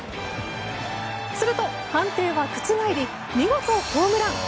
すると、判定は覆り見事ホームラン！